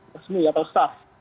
resmi atau staff